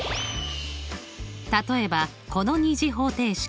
例えばこの２次方程式。